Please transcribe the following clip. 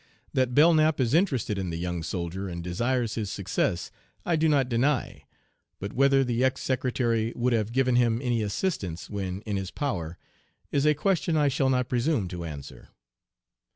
That Belknap is interested in the young soldier and desires his success I do not deny; but whether the ex Secretary would have given him any assistance when in his power is a question I shall not presume to answer."